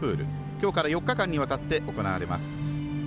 きょうから４日間にわたって行われます。